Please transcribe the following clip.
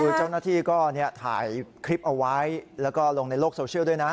คือเจ้าหน้าที่ก็ถ่ายคลิปเอาไว้แล้วก็ลงในโลกโซเชียลด้วยนะ